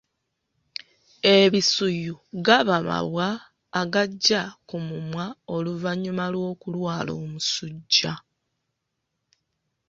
Ebisuyu gaba mabwa agajja ku mumwa oluvannyuma lw’okulwala omusujja.